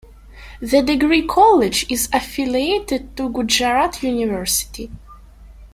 The degree college is affiliated to Gujarat University.